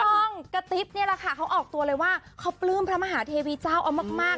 ถูกต้องกระติ๊บนี่แหละค่ะเขาออกตัวเลยว่าเขาปลื้มพระมหาเทวีเจ้าเอามาก